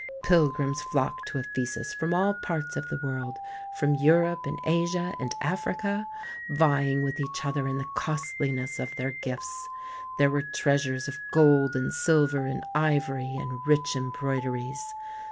Pilgrims flocked to Ephesus from all parts of the world, from Europe and Asia and Africa, vying with each other in the costliness of their gifts. There were treasures of gold and silver and ivory and rich embroideries.